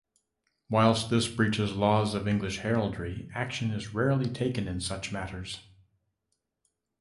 Whilst this breaches laws of English heraldry, action is rarely taken in such matters.